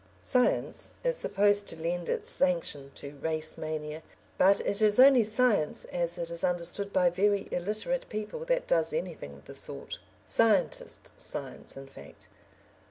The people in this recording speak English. "Science" is supposed to lend its sanction to race mania, but it is only "science" as it is understood by very illiterate people that does anything of the sort "scientists'" science, in fact.